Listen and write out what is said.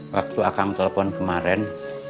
waktu akang telepon kemarin